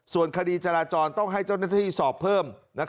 ส่วนคดีจราจรต้องให้เจ้าหน้าที่สอบเพิ่ม